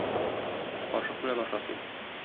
Кашык белән аша син.